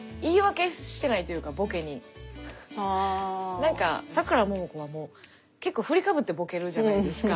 なんかさくらももこはもう結構振りかぶってボケるじゃないですか。